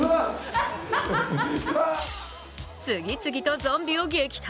次々とゾンビを撃退。